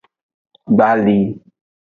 Gbali.